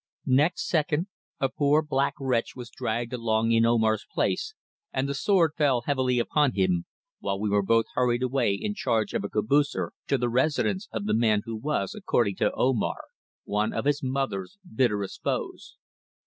Next second a poor black wretch was dragged along in Omar's place and the sword fell heavily upon him, while we were both hurried away in charge of a caboocer to the residence of the man who was, according to Omar, one of his mother's bitterest foes.